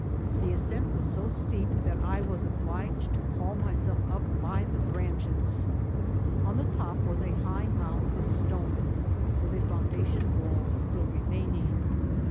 The ascent was so steep that I was obliged to haul myself up by the branches. On the top was a high mound of THE AQUEDUCT. 321 stones, with a foundation wall still remaining.